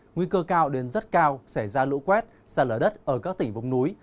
nguy cơ cao đến rất cao xảy ra lũ quét xa lở đất ở các tỉnh vùng núi